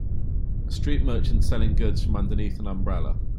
A street merchant selling goods from underneath an umbrella.